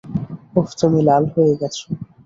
ওহ তুমি লাল হয়ে গেছো!